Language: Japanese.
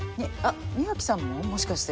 庭木さんももしかして。